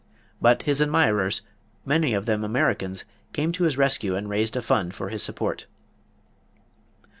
But his admirers, many of them Americans, came to his rescue and raised a fund for his support.